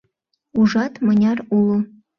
Ужат, мыняр уло!